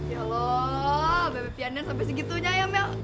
ya loh bebep yan yan sampai segitunya mel